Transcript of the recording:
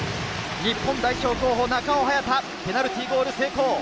日本代表候補、中尾隼太がペナルティーゴール成功。